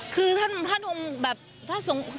คือท่าน